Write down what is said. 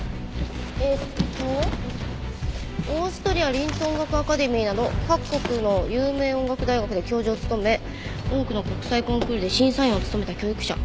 えっとオーストリアリンツ音楽アカデミーなど各国の有名音楽大学で教授を務め多くの国際コンクールで審査員を務めた教育者。